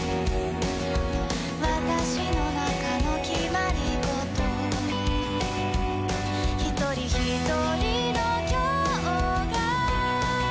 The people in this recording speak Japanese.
「私の中の決まりごと」「ひとりひとりの今日が」